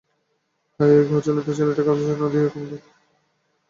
হায়, এই গৃহচ্যুত ছেলেটাকে প্রশ্রয় না দিয়াই বা কমলা থাকে কী করিয়া?